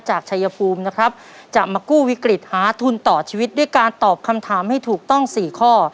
ชายภูมินะครับจะมากู้วิกฤตหาทุนต่อชีวิตด้วยการตอบคำถามให้ถูกต้อง๔ข้อ